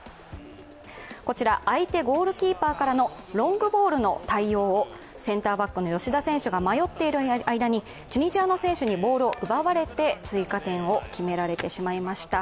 こちら、相手ゴールキーパーからのロングボールの対応をセンターバックの吉田選手が迷っている間にチュニジアの選手にボールを奪われて追加点を決められてしまいました。